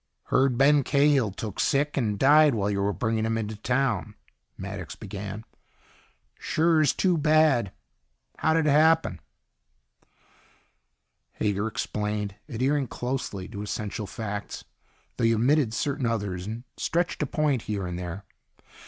"Heard Ben Cahill took sick and died while you were bringing him into town," Maddox began. "Sure is too bad. How did it happen?" Hager explained, adhering closely to essential facts, though he omitted certain others and stretched a point here and there.